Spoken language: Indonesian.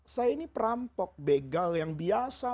saya ini perampok begal yang biasa